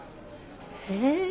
へえ。